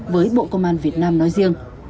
với bộ công an việt nam nói riêng